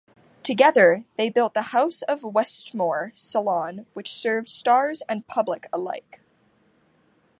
Together, they built the House of Westmore salon, which served stars and public alike.